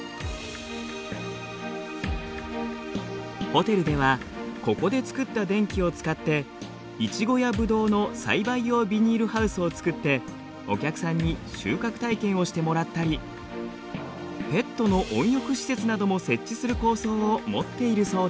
ホテルではここで作った電気を使ってイチゴやブドウの栽培用ビニールハウスを作ってお客さんに収穫体験をしてもらったりペットの温浴施設なども設置する構想を持っているそうです。